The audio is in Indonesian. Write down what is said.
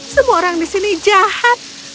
semua orang di sini jahat